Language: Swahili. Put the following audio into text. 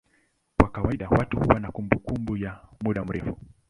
Kwa kawaida watu huwa na kumbukumbu ya muda mrefu.